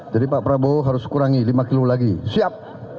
jadi pak prabowo harus kurangi lima kilo lagi siap